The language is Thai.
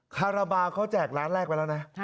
คาราบาลเขาแจกร้านแรกไปแล้วนะ